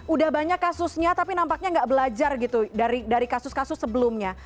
udah banyak kasusnya tapi nampaknya nggak belajar gitu dari kasus kasus sebelumnya